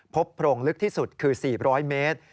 โพรงลึกที่สุดคือ๔๐๐เมตร